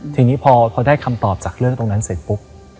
ทีนี้พอได้คำตอบจากเรื่องตรงนั้นเสร็จปุ๊บ